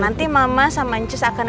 nanti mama sama cus akan